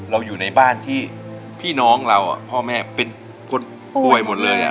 อยู่ในบ้านที่พี่น้องเราพ่อแม่เป็นคนป่วยหมดเลย